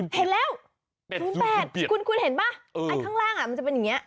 เห็นแล้ว๐๘คุณเห็นป่ะไอ้ข้างล่างมันจะเป็นอย่างนี้